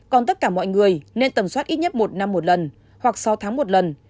còn tất cả mọi người nên tầm soát ít nhất một năm một lần hoặc sáu tháng một lần